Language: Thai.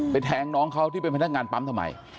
แทงน้องเขาที่เป็นพนักงานปั๊มทำไม